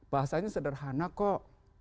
bahasanya sederhana kok